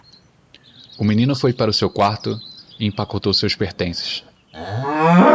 O menino foi para o seu quarto e empacotou seus pertences.